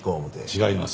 違います。